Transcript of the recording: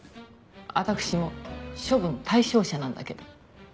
私も処分対象者なんだけど。